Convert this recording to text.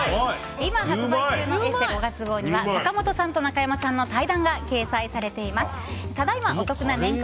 今発売中の「ＥＳＳＥ」５月号には坂本さんと中山さんの対談が掲載されています。